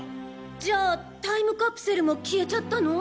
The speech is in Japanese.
じゃあタイムカプセルも消えちゃったの？